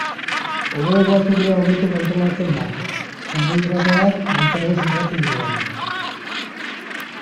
Odoleko azukrea hobeto kontrolatzen da, karbohidratoak mantsoago xurgatzen direlako.